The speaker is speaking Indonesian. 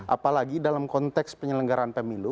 apalagi dalam konteks penyelenggaraan pemilu